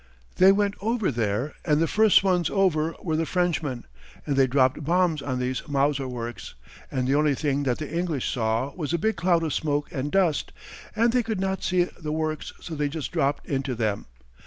They went over there, and the first ones over were the Frenchmen, and they dropped bombs on these Mauser works, and the only thing that the English saw was a big cloud of smoke and dust, and they could not see the works so they just dropped into them.